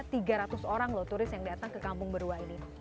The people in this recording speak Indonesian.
tiga ratus orang loh turis yang datang ke kampung berwa ini